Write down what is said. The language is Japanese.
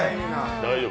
大丈夫？